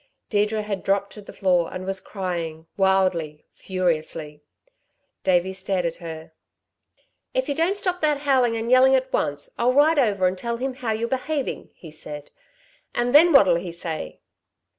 '" Deirdre had dropped to the floor and was crying, wildly, furiously. Davey stared at her. "If you don't stop that howling and yelling at once, I'll ride over and tell him how you're behaving," he said. "And then what'll he say?"